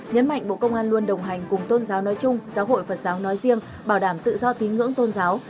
nhấn mạnh bộ công an luôn đồng hành cùng tôn giáo nói chung giáo hội phật giáo nói riêng bảo đảm tự do tín ngưỡng tôn giáo